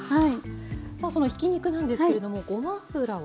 さあそのひき肉なんですけれどもごま油をです